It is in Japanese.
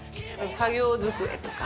作業机とか。